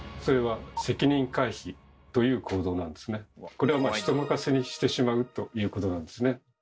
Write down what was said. これは人任せにしてしまうということなんですね。